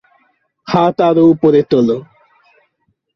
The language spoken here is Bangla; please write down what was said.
হাত আরও উপরে তোলো!